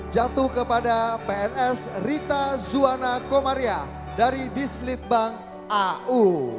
jatuh kepada pns rita zuwana komaria dari dislitbang au